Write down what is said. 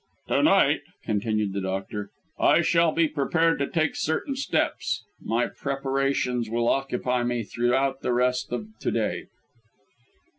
"To night," continued the doctor, "I shall be prepared to take certain steps. My preparations will occupy me throughout the rest of to day."